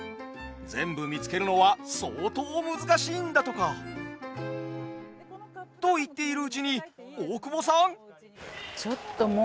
全部見つけるのは相当難しいんだとか。と言っているうちに大久保さん！？